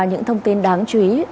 những thông tin đáng chú ý